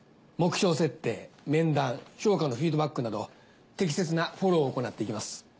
目標設定面談評価のフィードバックなど適切なフォローを行っていきます。